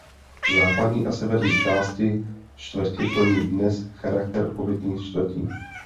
Západní a severní části čtvrti plní dnes charakter obytných čtvrtí.